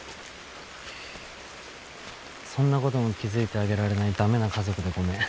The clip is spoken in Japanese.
そんなことも気付いてあげられない駄目な家族でごめん。